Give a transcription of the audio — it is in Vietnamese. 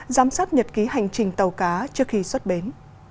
giám sát nhật ký hành trình tàu cá trước khi xuất bến